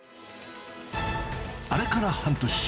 あれから半年。